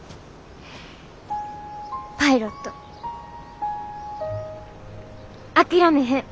パイロット諦めへん。